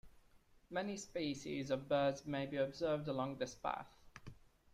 Many species of birds may be observed along this path.